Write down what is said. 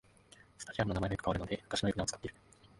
スタジアムの名前がよく変わるので昔の呼び名を使ってる